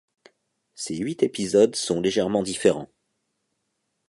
Ces huit épisodes sont légèrement différents.